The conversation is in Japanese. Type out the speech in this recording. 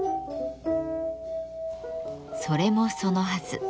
それもそのはず。